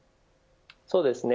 そうですね。